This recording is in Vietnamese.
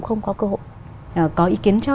không có cơ hội có ý kiến cho